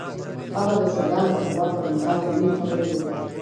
هغه د ځلانده هوا پر مهال د مینې خبرې وکړې.